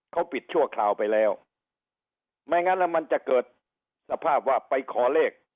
เขาปิดชั่วคราวไปแล้วไม่งั้นแล้วมันจะเกิดสภาพว่าไปขอเลข